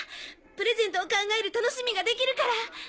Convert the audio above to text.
プレゼントを考える楽しみができるから！